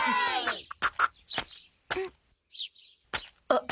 あっ！